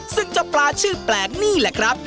ซึ่งเจ้าปลาชื่อแปลกนี่แหละครับ